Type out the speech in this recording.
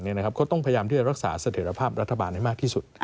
ก็ต้องพยายามที่จะรักษาเสถียรภาพรัฐบาลให้มากที่สุด